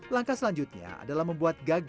langkah selanjutnya adalah membuat gagang bilah mandau